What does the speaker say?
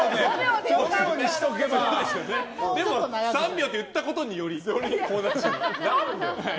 でも３秒って言ったことによりこうなってしまって。